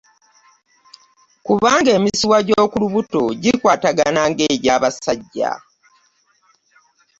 kubanga emisuwa gy'oku lubuto gye kwatanga nga ejja abasajja.